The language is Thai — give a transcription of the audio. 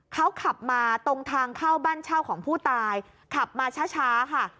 เขาขับมาตรงทางเข้าบ้านเช่าของผู้ตายขับมาช้าค่ะ